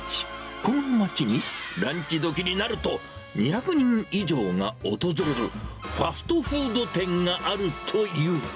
この街に、ランチどきになると、２００人以上が訪れる、ファストフード店があるという。